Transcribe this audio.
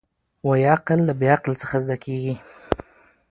وايي عقل له بې عقله څخه زده کېږي.